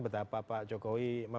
betapa pak jokowi